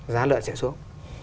giá lợn sẽ xuống